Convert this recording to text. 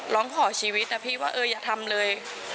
ร้องขอชีวิตนะพี่ว่าเอออย่าทำเลย